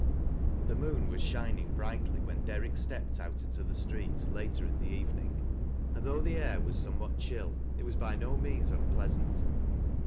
The moon was shining brightly when DeiTick steppea out into the street later in the evening, and though tho ail was somewhat chill it was by no means unpleasant.